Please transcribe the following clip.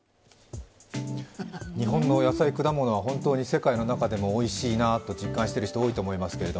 日本の野菜、果物は世界の中でもおいしいなと実感している人が多いと思いますけど。